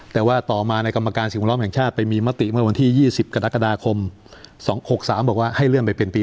แต่ว่าต่อมาในกรรมการสิ่งแวดล้อมแห่งชาติไปมีมติเมื่อวันที่๒๐กรกฎาคม๒๖๓บอกว่าให้เลื่อนไปเป็นปี